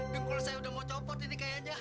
dengkul saya udah mau copot ini kayaknya